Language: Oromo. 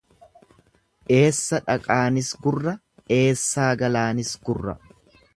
Eessa dhaqaanis gurra, eessaa galaanis gurra.